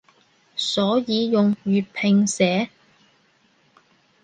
所以用粵拼寫